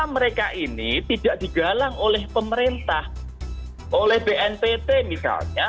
mereka juga dikita oleh bnpt misalnya